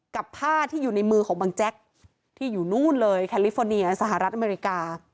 กับผ้าที่อยู่ในมือของบังแจ๊กที่อยู่นู่นเลยแคลิฟอร์เนียสหรัฐอเมริกา